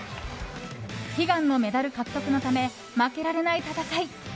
悲願のメダル獲得のため負けられない戦い。